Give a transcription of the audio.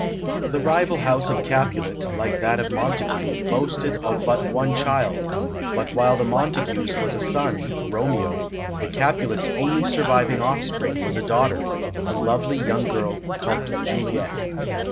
The rival house of Capulet, like that of Montague, boasted of but one child, but while the Montagues' was a son, Romeo, the Capulets' only surviving offspring was a daughter, a lovely young girl called Juliet.